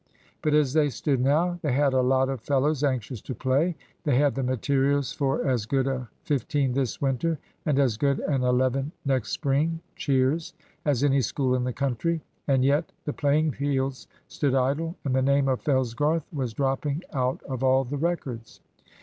But as they stood now, they had a lot of fellows anxious to play, they had the materials for as good a fifteen this winter, and as good an eleven next spring (cheers), as any school in the country; and yet the playing fields stood idle, and the name of Fellsgarth was dropping out of all the records.